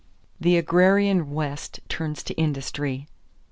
=The Agrarian West Turns to Industry.